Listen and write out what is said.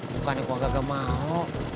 bukan yang gue agak agak mau